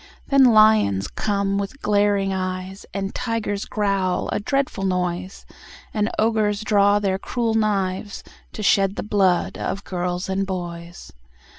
Then lions come with glaring eyes, And tigers growl, a dreadful noise, And ogres draw their cruel knives, To shed the blood of girls and boys.